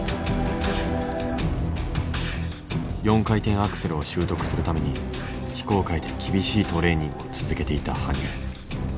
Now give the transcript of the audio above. ４回転アクセルを習得するために非公開で厳しいトレーニングを続けていた羽生。